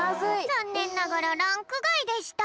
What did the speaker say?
ざんねんながらランクがいでした。